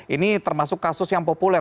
ini termasuk kasus yang populer